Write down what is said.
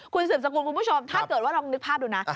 คุณสืบสกุลคุณผู้ชมถ้าเกิดว่าลองนึกภาพดูนะ